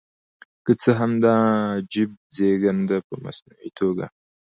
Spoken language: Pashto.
که څه هم دا عجیب زېږېدنه په مصنوعي توګه.